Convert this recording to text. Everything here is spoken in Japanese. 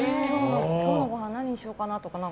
今日のごはん何にしようかなとか。